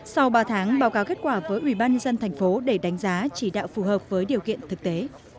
sau ba tháng báo cáo kết quả với ubnd thành phố để đánh giá chỉ đạo phù hợp với điều kiện thực tế